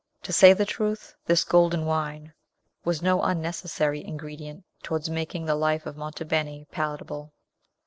To say the truth, this golden wine was no unnecessary ingredient towards making the life of Monte Beni palatable.